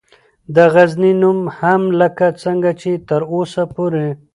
دغزنی نوم هم لکه څنګه چې تراوسه پورې